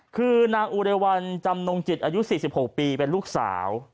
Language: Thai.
คือนางอุเรวัลจำนงจิตอายุ๔๖ปีเป็นลูกสาว